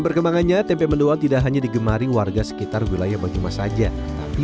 berkembangannya tempe menduan tidak hanya digomari warga sekitar wilayah bojumah saja tapi